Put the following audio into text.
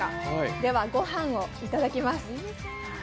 では、ごはんをいただきます。